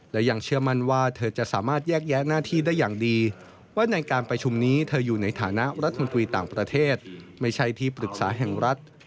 และยังเชื่อมั่นว่าเธอจะสามารถแยกแยะหน้าที่ได้อย่างดีว่าในการประชุมนี้เธออยู่ในฐานะรัฐมนตรีต่างประเทศไม่ใช่ที่ปรึกษาแห่งรัฐ